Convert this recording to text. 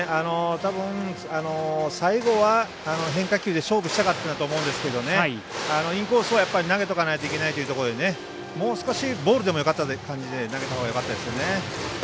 たぶん、最後は変化球で勝負したかったんだと思うんですけどインコースは投げとかないといけないってことでもう少しボールでもよかった感じで投げたほうがよかったですね。